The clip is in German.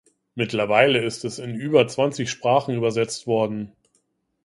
Mittlerweile ist es in über zwanzig Sprachen übersetzt worden.